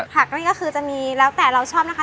นั่นก็คือจะมีแล้วแต่เราชอบนะคะ